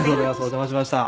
お邪魔しました。